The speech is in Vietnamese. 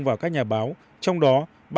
vào các nhà báo trong đó